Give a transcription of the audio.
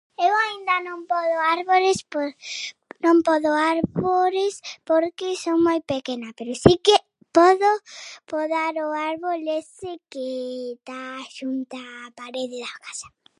Eu aínda non podo árbores por non podo árbores porque son moi pequena, pero si que podo podar o árbol ese que tá xunta a parede da casa.